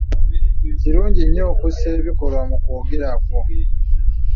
Kirungi nnyo okussa ebikolwa mu kwogera kwo.